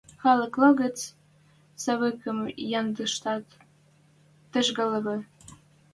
Халык логӹц Савикӹм ядышташ тӹнгӓлевӹ.